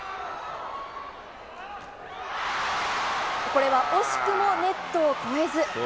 これは惜しくもネットを越えず。